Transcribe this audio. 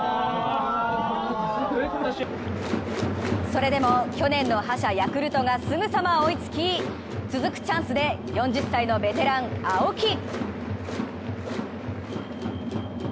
それでも去年の覇者、ヤクルトがすぐさま追いつき、続くチャンスで４０歳のベテラン・青木。